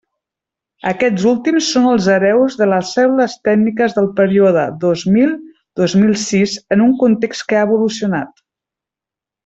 Aquests últims són els hereus de les cèl·lules tècniques del període dos mil dos mil sis en un context que ha evolucionat.